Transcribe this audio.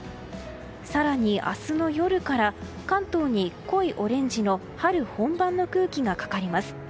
更に、明日の夜から関東に濃いオレンジの春本番の空気がかかります。